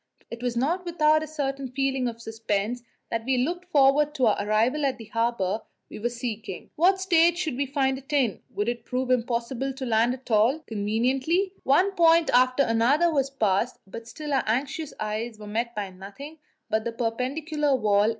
It was not without a certain feeling of suspense that we looked forward to our arrival at the harbour we were seeking What state should we find it in? Would it prove impossible to land at all conveniently? One point after another was passed, but still our anxious eyes were met by nothing but the perpendicular wall.